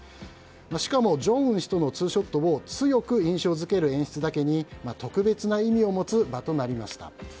しかも正恩氏とのツーショットを強く印象付ける演出なだけに特別な意味を持つ場となりました。